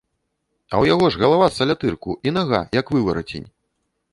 А ў яго ж галава з салятырку і нага, як выварацень.